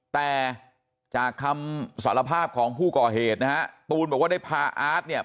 แต่จากคำสารภาพของผู้ก่อเหตุนะฮะตูนบอกว่าได้พาอาร์ตเนี่ย